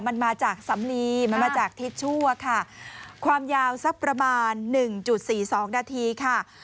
มันมาจากสำลีมันมาจากทิชชั่วค่ะความยาวสักประมาณหนึ่งจุดสี่สองนาทีค่ะ